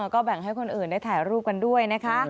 ก็แบ่งให้คนอื่นได้ถ่ายรูปกันด้วยนะคะ